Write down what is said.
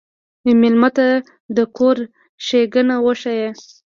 مېلمه ته د کور ښيګڼه وښیه.